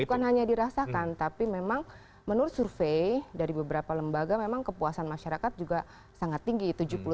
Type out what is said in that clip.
bukan hanya dirasakan tapi memang menurut survei dari beberapa lembaga memang kepuasan masyarakat juga sangat tinggi